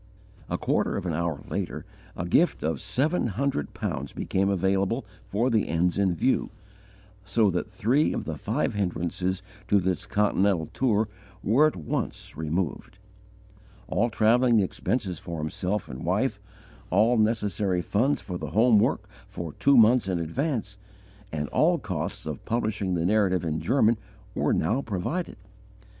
A quarter of an hour later, a gift of seven hundred pounds became available for the ends in view, so that three of the five hindrances to this Continental tour were at once removed. All travelling expenses for himself and wife, all necessary funds for the home work for two months in advance, and all costs of publishing the Narrative in German, were now provided.